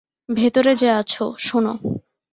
ভেতরে যে আছো, শোনো।